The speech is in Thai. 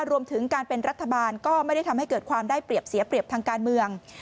รวมถึงการเป็นรัฐบาลก็ไม่ได้ทำให้เกิดความได้เปรียบเสียเปรียบทางการเมือง